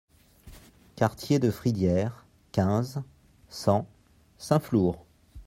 Quartier de Fridières, quinze, cent Saint-Flour